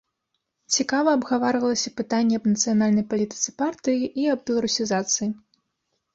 Цікава абгаварвалася пытанне аб нацыянальнай палітыцы партыі і аб беларусізацыі.